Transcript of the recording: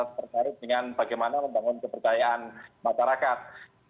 terkait dengan bagaimana membangun kepercayaan masyarakat